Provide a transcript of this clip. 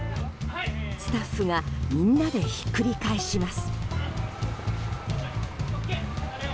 スタッフがみんなでひっくり返します。